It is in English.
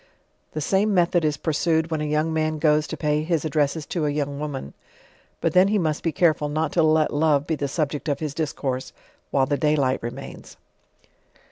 r J he came method is pureucd when a youi;g man goes to pay his ad dresses to a young woman; Lut then he must be careful not to let love be the subject of his discourse while the day light remains.